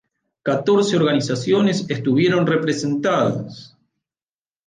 Catorce organizaciones estuvieron representadas.